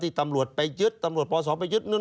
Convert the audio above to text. ที่ตำรวจไปยึดตำรวจปสไปยึด